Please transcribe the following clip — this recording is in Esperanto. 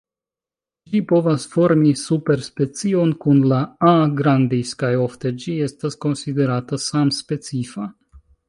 Ĝi povas formi superspecion kun la "A. grandis" kaj ofte ĝi estas konsiderata samspecifa.